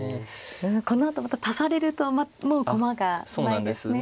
うんこのあとまた足されるともう駒がないですね。